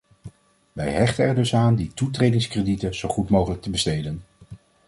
Wij hechten er dus aan die toetredingskredieten zo goed mogelijk te besteden.